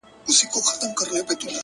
• چی هر لوري ته یې مخ سي موږ منلی,